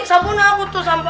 sabun aku tuh sampai